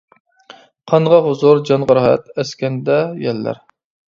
قانغا ھۇزۇر، جانغا راھەت، ئەسكەندە يەللەر.